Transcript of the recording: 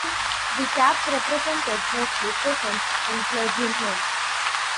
The Caps represented mostly peasants and clergymen.